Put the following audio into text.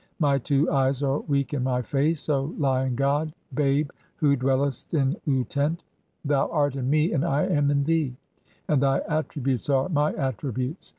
My two eyes (?) are "weak in my face, O Lion[ god], Babe, who dwellest in Utent. "(20) Thou art in me and I am in thee ; and thy attributes are "my attributes.